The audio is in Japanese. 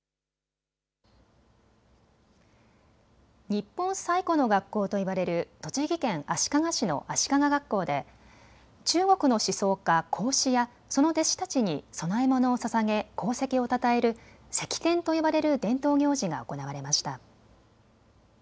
日本最古の学校といわれる栃木県足利市の足利学校で中国の思想家、孔子やその弟子たちに供え物をささげ功績をたたえる釋奠と呼ばれる伝統行事が行われました。